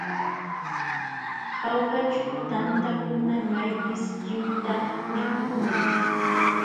Jaujaćhu tantakuna maypis lliwta mikukunam.